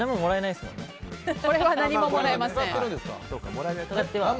これは何ももらえません。